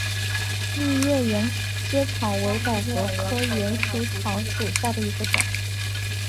丽叶沿阶草为百合科沿阶草属下的一个种。